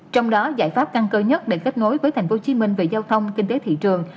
trong đó giải pháp căn cơ nhất để kết nối với tp hcm về giao thông kinh tế thị trường